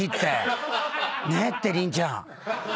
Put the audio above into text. ねえって凛ちゃん。